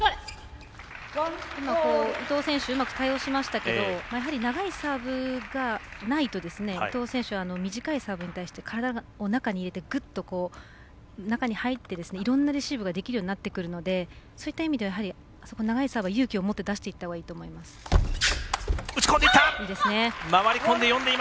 伊藤選手うまく対応しましたけどやはり長いサーブがないと伊藤選手は、短いサーブに対して体をぐっと、中に入っていろんなレシーブができるようになってくるのでそういった意味では、長いサーブ勇気を持って出したほうがいいです。